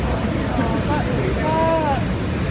คือมันจะทำว่าเราไม่ได้เจอทุกคน